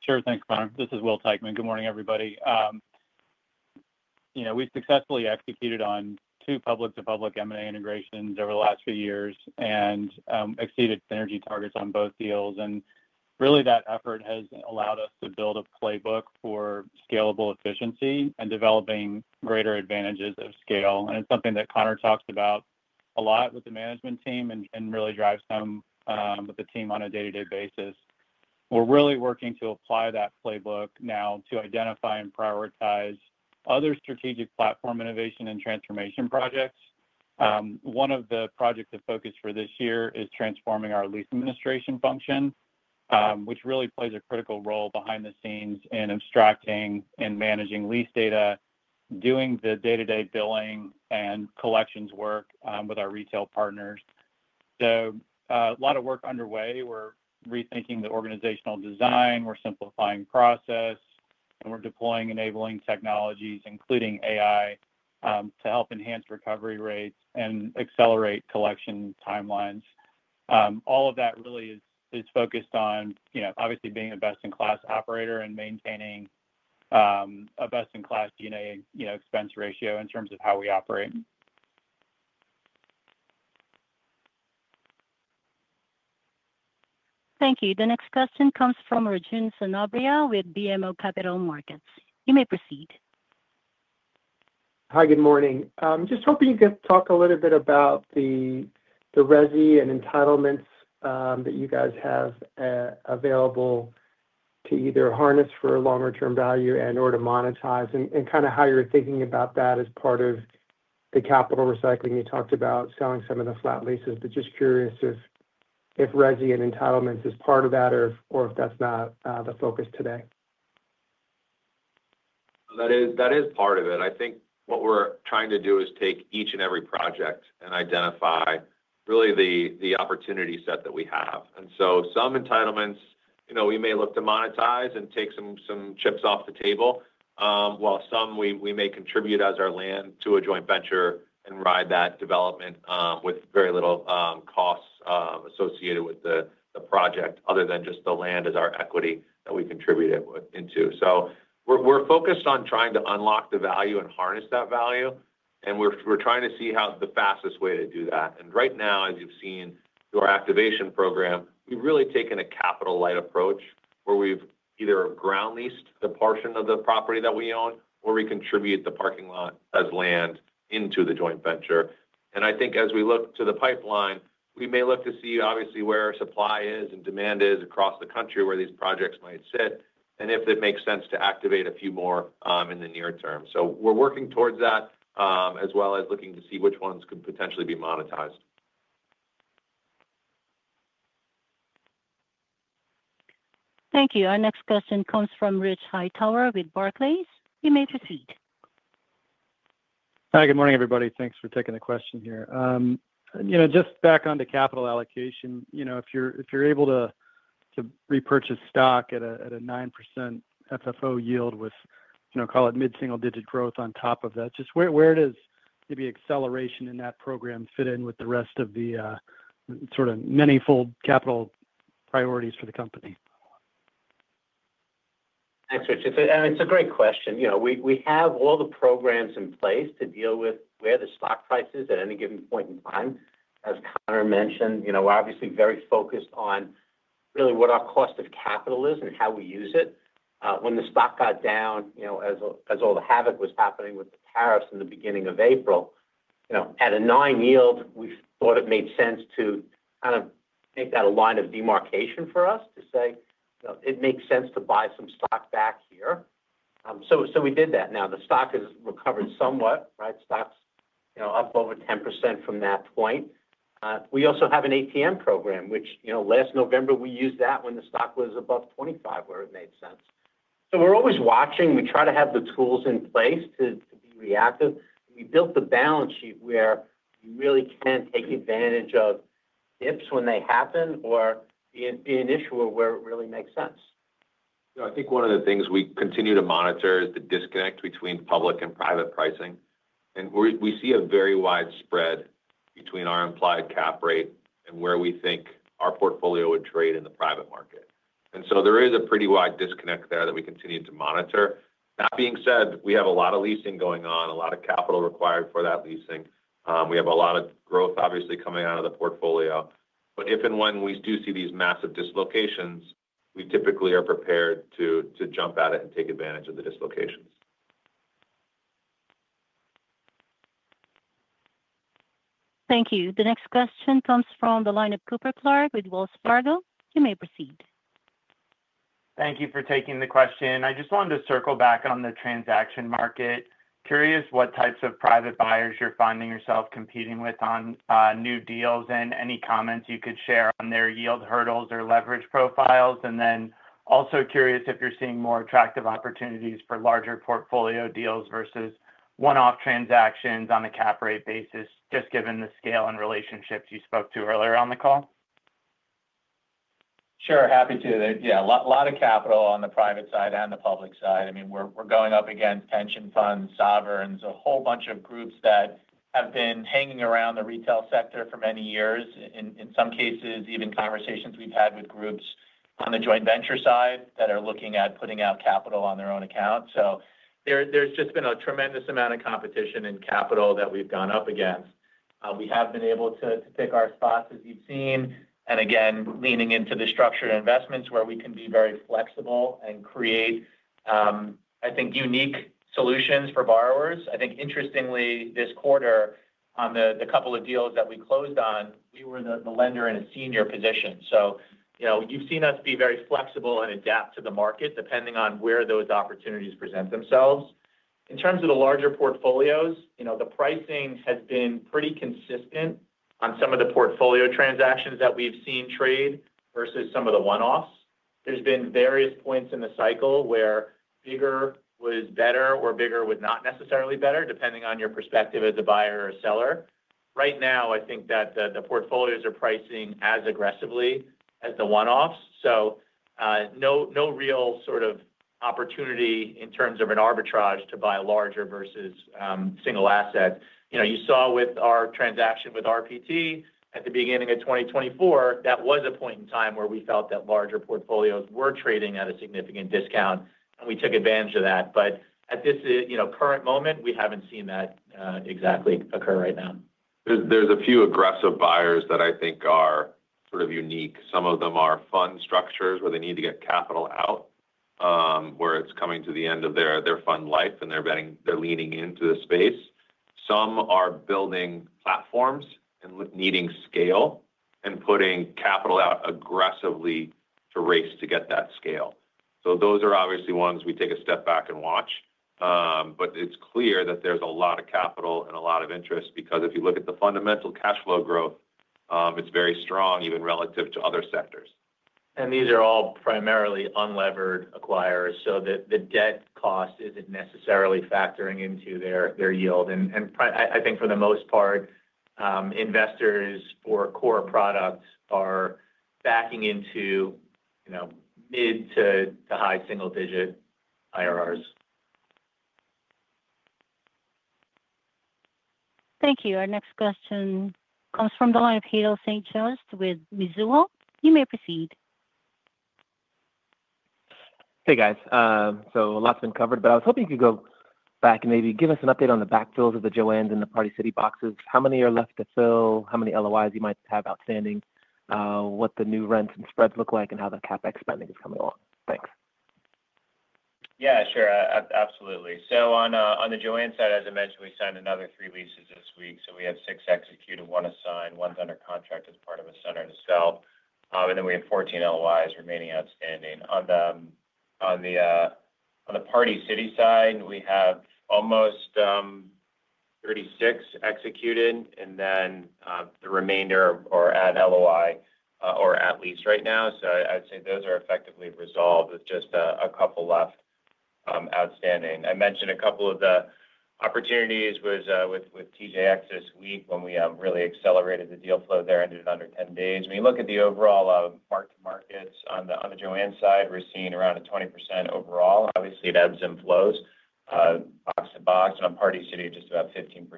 Sure. Thanks, Conor. This is Will Teichman. Good morning, everybody. We've successfully executed on two public-to-public M&A integrations over the last few years and exceeded energy targets on both deals. That effort has allowed us to build a playbook for scalable efficiency and developing greater advantages of scale. It's something that Conor talks about a lot with the management team and really drives them with the team on a day-to-day basis. We're really working to apply that playbook now to identify and prioritize other strategic platform innovation and transformation projects. One of the projects of focus for this year is transforming our lease administration function, which really plays a critical role behind the scenes in abstracting and managing lease data, doing the day-to-day billing and collections work with our retail partners. A lot of work is underway. We're rethinking the organizational design, simplifying process, and deploying enabling technologies, including AI, to help enhance recovery rates and accelerate collection timelines. All of that really is focused on, obviously, being a best-in-class operator and maintaining a best-in-class DNA expense ratio in terms of how we operate. Thank you. The next question comes from Rajan Sanabria with BMO Capital Markets. You may proceed. Hi, good morning. Just hoping you could talk a little bit about the RESI and entitlements that you guys have available to either harness for longer-term value and/or to monetize and kind of how you're thinking about that as part of the capital recycling. You talked about selling some of the flat leases, just curious if RESI and entitlements is part of that or if that's not the focus today. That is part of it. I think what we're trying to do is take each and every project and identify really the opportunity set that we have. Some entitlements, we may look to monetize and take some chips off the table, while some, we may contribute as our land to a joint venture and ride that development with very little costs associated with the project other than just the land as our equity that we contributed into. We're focused on trying to unlock the value and harness that value. We're trying to see how the fastest way to do that. Right now, as you've seen through our activation program, we've really taken a capital-light approach where we've either ground-leased the portion of the property that we own or we contribute the parking lot as land into the joint venture. I think as we look to the pipeline, we may look to see, obviously, where our supply is and demand is across the country where these projects might sit, and if it makes sense to activate a few more in the near term. We're working towards that as well as looking to see which ones could potentially be monetized. Thank you. Our next question comes from Rich Hightower with Barclays. You may proceed. Hi, good morning, everybody. Thanks for taking the question here. Just back on to capital allocation. If you're able to repurchase stock at a 9% FFO yield with, call it mid-single-digit growth on top of that, just where does maybe acceleration in that program fit in with the rest of the sort of manyfold capital priorities for the company? Thanks, Rich. It's a great question. We have all the programs in place to deal with where the stock price is at any given point in time. As Conor mentioned, we're obviously very focused on really what our cost of capital is and how we use it. When the stock got down, as all the havoc was happening with the tariffs in the beginning of April, at a 9% yield, we thought it made sense to kind of make that a line of demarcation for us to say, "It makes sense to buy some stock back here." We did that. Now, the stock has recovered somewhat, right? Stock's up over 10% from that point. We also have an ATM program, which last November we used when the stock was above $25 where it made sense. We're always watching. We try to have the tools in place to be reactive. We built the balance sheet where you really can take advantage of dips when they happen or be an issue where it really makes sense. I think one of the things we continue to monitor is the disconnect between public and private pricing. We see a very wide spread between our implied cap rate and where we think our portfolio would trade in the private market. There is a pretty wide disconnect there that we continue to monitor. That being said, we have a lot of leasing going on, a lot of capital required for that leasing. We have a lot of growth, obviously, coming out of the portfolio. If and when we do see these massive dislocations, we typically are prepared to jump at it and take advantage of the dislocations. Thank you. The next question comes from the line of Cooper Clark with Wells Fargo. You may proceed. Thank you for taking the question. I just wanted to circle back on the transaction market. Curious what types of private buyers you're finding yourself competing with on new deals and any comments you could share on their yield hurdles or leverage profiles. Also curious if you're seeing more attractive opportunities for larger portfolio deals versus one-off transactions on a cap rate basis, just given the scale and relationships you spoke to earlier on the call. Sure. Happy to. A lot of capital on the private side and the public side. We're going up against pension funds, sovereigns, a whole bunch of groups that have been hanging around the retail sector for many years. In some cases, even conversations we've had with groups on the joint venture side that are looking at putting out capital on their own accounts. There has just been a tremendous amount of competition and capital that we've gone up against. We have been able to pick our spots, as you've seen. Again, leaning into the structured investments where we can be very flexible and create, I think, unique solutions for borrowers. Interestingly, this quarter, on the couple of deals that we closed on, we were the lender in a senior position. You've seen us be very flexible and adapt to the market depending on where those opportunities present themselves. In terms of the larger portfolios, the pricing has been pretty consistent on some of the portfolio transactions that we've seen trade versus some of the one-offs. Ther's been various points in the cycle where bigger was better or bigger was not necessarily better, depending on your perspective as a buyer or a seller. Right now, I think that the portfolios are pricing as aggressively as the one-offs. No real sort of opportunity in terms of an arbitrage to buy larger versus single assets. You saw with our transaction with RPT at the beginning of 2024, that was a point in time where we felt that larger portfolios were trading at a significant discount, and we took advantage of that. At this current moment, we haven't seen that exactly occur right now. are a few aggressive buyers that I think are sort of unique. Some of them are fund structures where they need to get capital out, where it's coming to the end of their fund life and they're leaning into the space. Some are building platforms and needing scale and putting capital out aggressively to race to get that scale. Those are obviously ones we take a step back and watch. It is clear that there's a lot of capital and a lot of interest because if you look at the fundamental cash flow growth, it's very strong, even relative to other sectors. These are all primarily unlevered acquirers, so the debt cost isn't necessarily factoring into their yield. For the most part, investors for core products are backing into mid to high single-digit IRRs. Thank you. Our next question comes from the line of Haendel St. Juste with Mizuho. You may proceed. Hey, guys. A lot's been covered, but I was hoping you could go back and maybe give us an update on the backfills of the JOANN and the Party City boxes. How many are left to fill? How many LOIs you might have outstanding? What the new rents and spreads look like, and how the CapEx spending is coming along? Thanks. Yeah, sure. Absolutely. On the JOANN side, as I mentioned, we signed another three leases this week. We have six executed, one assigned, one under contract as part of a center to sell, and then we have 14 LOIs remaining outstanding. On the Party City side, we have almost 36 executed, and the remainder are at LOI or at lease right now. I'd say those are effectively resolved with just a couple left outstanding. I mentioned a couple of the opportunities with TJX this week when we really accelerated the deal flow there and did it under 10 days. When you look at the overall mark-to-markets on the JOANN side, we're seeing around a 20% overall. Obviously, it ebbs and flows box to box. On Party City, just about 15%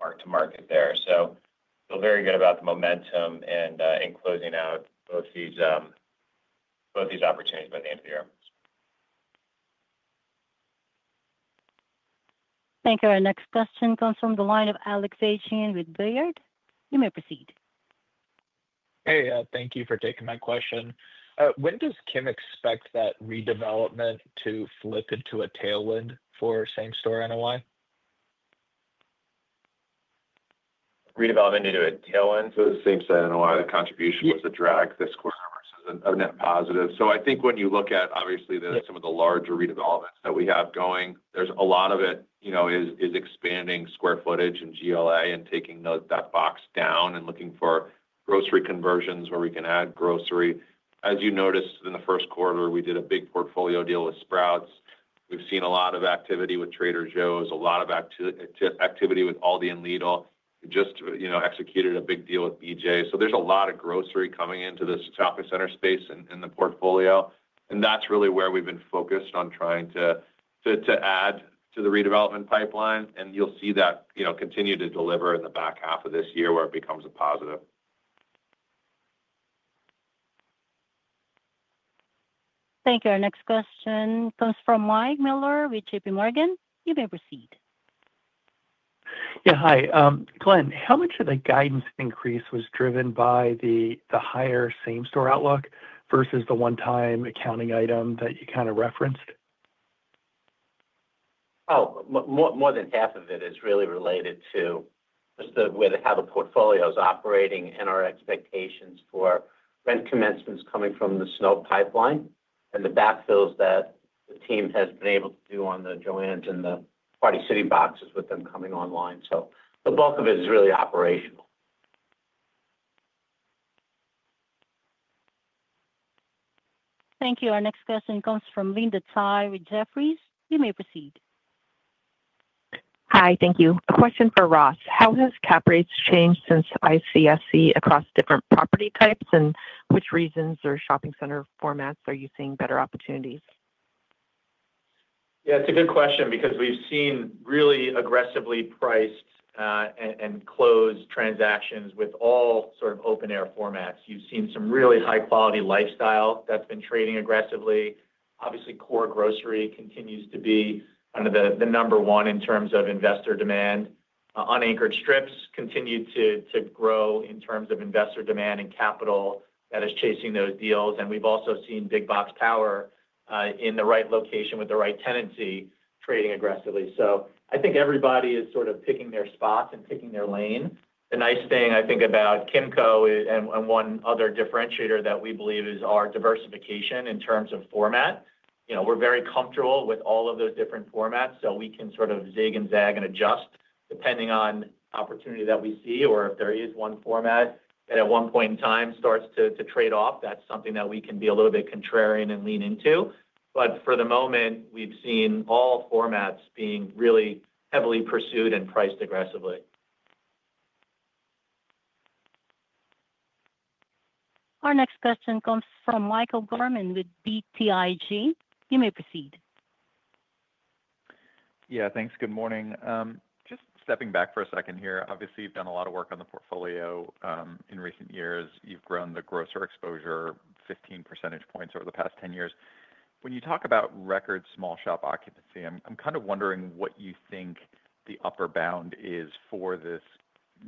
mark-to-market there. Feel very good about the momentum and closing out both these opportunities by the end of the year. Thank you. Our next question comes from the line of Alex Achen with Bayard. You may proceed. Hey, thank you for taking my question. When does Kimco expect that redevelopment to flip into a tailwind for same-site NOI? Redevelopment into a tailwind? For the same-site NOI, the contribution was a drag this quarter versus a net positive. I think when you look at, obviously, some of the larger redevelopments that we have going, there's a lot of it. It's expanding square footage and GLA and taking that box down and looking for grocery conversions where we can add grocery. As you noticed in the first quarter, we did a big portfolio deal with Sprouts. We've seen a lot of activity with Trader Joe's, a lot of activity with Aldi and Lidl. Just executed a big deal with BJ's. There's a lot of grocery coming into this shopping center space in the portfolio. That's really where we've been focused on trying to add to the redevelopment pipeline. You'll see that continue to deliver in the back half of this year where it becomes a positive. Thank you. Our next question comes from Mike Miller with JPMorgan. You may proceed. Yeah, hi. Glenn, how much of the guidance increase was driven by the higher same-site outlook versus the one-time accounting item that you kind of referenced? More than half of it is really related to just the way that how the portfolio is operating and our expectations for rent commencements coming from the snow pipeline and the backfills that the team has been able to do on the JOANN and the Party City boxes with them coming online. The bulk of it is really operational. Thank you. Our next question comes from Linda Tsai with Jefferies. You may proceed. Hi, thank you. A question for Ross. How has cap rates changed since ICSC across different property types, and which regions or shopping center formats are you seeing better opportunities? Yeah, it's a good question because we've seen really aggressively priced and closed transactions with all sorts of open-air formats. You've seen some really high-quality lifestyle that's been trading aggressively. Obviously, core grocery continues to be kind of the number one in terms of investor demand. Unanchored strips continue to grow in terms of investor demand and capital that is chasing those deals. We've also seen big box power in the right location with the right tenancy trading aggressively. I think everybody is sort of picking their spots and picking their lane. The nice thing, I think, about Kimco and one other differentiator that we believe is our diversification in terms of format. We're very comfortable with all of those different formats, so we can sort of zig and zag and adjust depending on opportunity that we see or if there is one format that at one point in time starts to trade off, that's something that we can be a little bit contrarian and lean into. For the moment, we've seen all formats being really heavily pursued and priced aggressively. Our next question comes from Michael Gorman with BTIG. You may proceed. Yeah, thanks. Good morning. Just stepping back for a second here. Obviously, you've done a lot of work on the portfolio in recent years. You've grown the grocer exposure 15% over the past 10 years. When you talk about record small shop occupancy, I'm kind of wondering what you think the upper bound is for this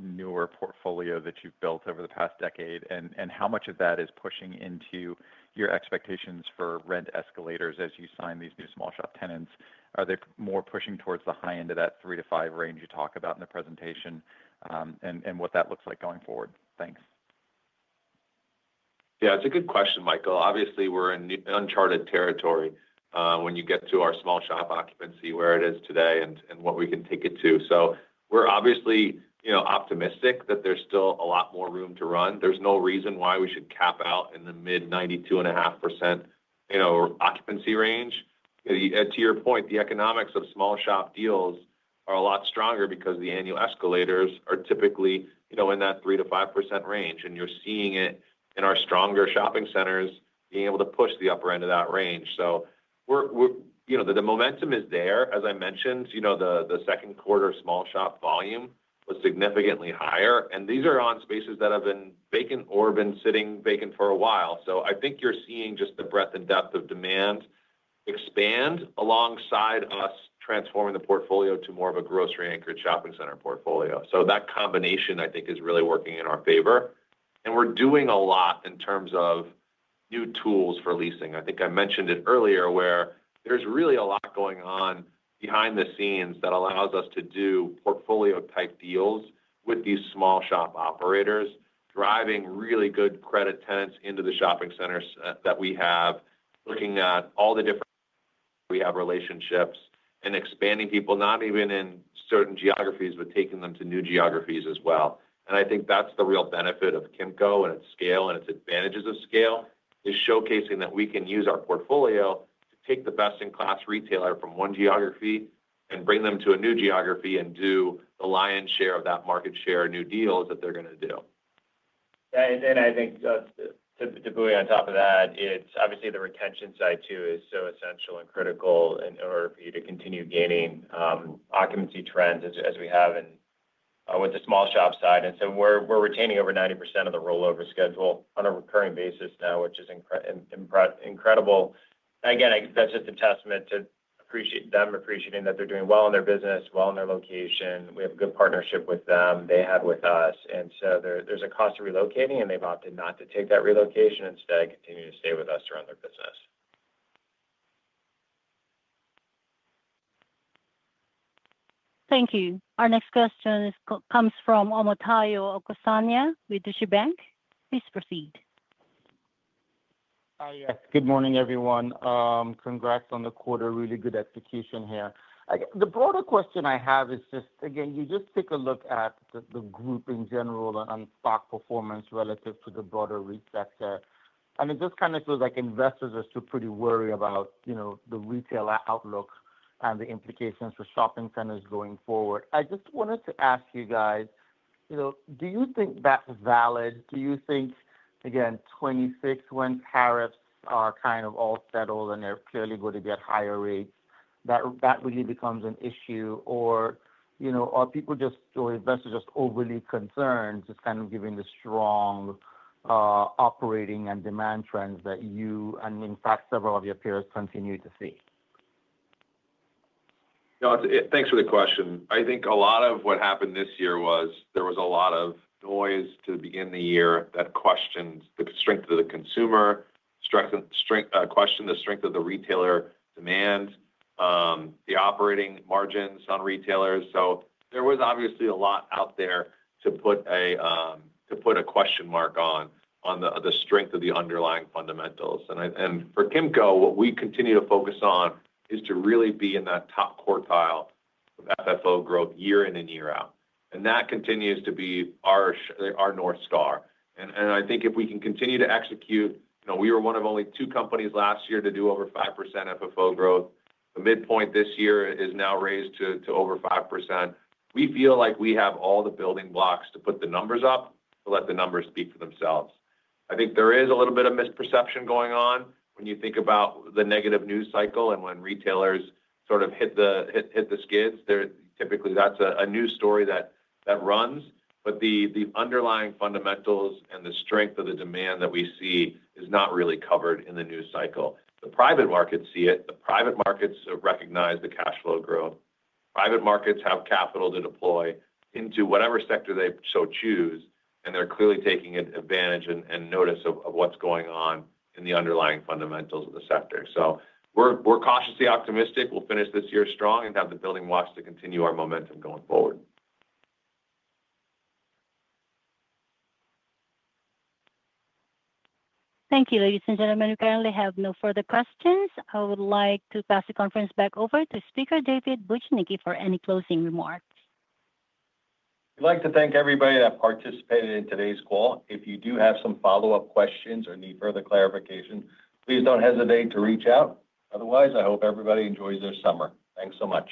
newer portfolio that you've built over the past decade and how much of that is pushing into your expectations for rent escalators as you sign these new small shop tenants. Are they more pushing towards the high end of that 3%-5% range you talk about in the presentation? What does that look like going forward? Thanks. Yeah, it's a good question, Michael. Obviously, we're in uncharted territory when you get to our small shop occupancy where it is today and what we can take it to. We're obviously optimistic that there's still a lot more room to run. There's no reason why we should cap out in the mid 92.5% occupancy range. To your point, the economics of small shop deals are a lot stronger because the annual escalators are typically in that 3%-5% range, and you're seeing it in our stronger shopping centers being able to push the upper end of that range. The momentum is there. As I mentioned, the second quarter small shop volume was significantly higher, and these are on spaces that have been vacant or have been sitting vacant for a while. I think you're seeing just the breadth and depth of demand expand alongside us transforming the portfolio to more of a grocery-anchored shopping center portfolio. That combination, I think, is really working in our favor. We're doing a lot in terms of new tools for leasing. I think I mentioned it earlier where there's really a lot going on behind the scenes that allows us to do portfolio-type deals with these small shop operators, driving really good credit tenants into the shopping centers that we have, looking at all the different relationships and expanding people, not even in certain geographies, but taking them to new geographies as well. I think that's the real benefit of Kimco and its scale and its advantages of scale is showcasing that we can use our portfolio to take the best-in-class retailer from one geography and bring them to a new geography and do the lion's share of that market share new deals that they're going to do. I think to buoy on top of that, it's obviously the retention side too, which is so essential and critical in order for you to continue gaining occupancy trends as we have with the small shop side. We're retaining over 90% of the rollover schedule on a recurring basis now, which is incredible. I think that's just a testament to them appreciating that they're doing well in their business, well in their location. We have a good partnership with them, they have with us. There's a cost of relocating, and they've opted not to take that relocation and instead continue to stay with us around their business. Thank you. Our next question comes from Omotayo Okusanya with Deutsche Bank. Please proceed. Hi, yes. Good morning, everyone. Congrats on the quarter. Really good execution here. The broader question I have is just, again, you just take a look at the group in general and stock performance relative to the broader retail sector. It just kind of feels like investors are still pretty worried about the retail outlook and the implications for shopping centers going forward. I just wanted to ask you guys, do you think that's valid? Do you think, again, 2026 when tariffs are kind of all settled and they're clearly going to get higher rates, that really becomes an issue? Are people just or investors just overly concerned just kind of given the strong operating and demand trends that you and, in fact, several of your peers continue to see? Thanks for the question. I think a lot of what happened this year was there was a lot of noise to begin the year that questioned the strength of the consumer, questioned the strength of the retailer demand, the operating margins on retailers. There was obviously a lot out there to put a question mark on the strength of the underlying fundamentals. For Kimco, what we continue to focus on is to really be in that top quartile of FFO growth year in and year out. That continues to be our North Star. I think if we can continue to execute, we were one of only two companies last year to do over 5% FFO growth. The midpoint this year is now raised to over 5%. We feel like we have all the building blocks to put the numbers up to let the numbers speak for themselves. I think there is a little bit of misperception going on when you think about the negative news cycle and when retailers sort of hit the skids. Typically, that's a news story that runs. The underlying fundamentals and the strength of the demand that we see is not really covered in the news cycle. The private markets see it. The private markets recognize the cash flow growth. Private markets have capital to deploy into whatever sector they so choose, and they're clearly taking advantage and notice of what's going on in the underlying fundamentals of the sector. We're cautiously optimistic. We'll finish this year strong and have the building blocks to continue our momentum going forward. Thank you, ladies and gentlemen. We currently have no further questions. I would like to pass the conference back over to speaker David Bujnicki for any closing remarks. I'd like to thank everybody that participated in today's call. If you do have some follow-up questions or need further clarification, please don't hesitate to reach out. Otherwise, I hope everybody enjoys their summer. Thanks so much.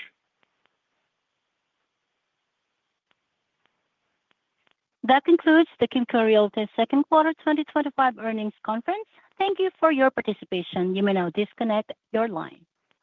That concludes the Kimco Realty Second Quarter 2025 Earnings Conference. Thank you for your participation. You may now disconnect your line.